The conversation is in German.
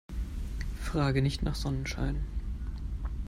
Frage nicht nach Sonnenschein.